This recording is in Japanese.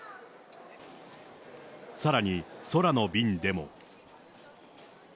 さらに空の便でも。